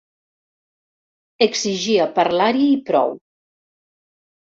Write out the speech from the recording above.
Exigia parlar-hi i prou.